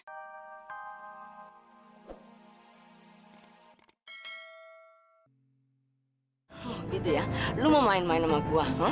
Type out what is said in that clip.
oh gitu ya lu mau main main sama gua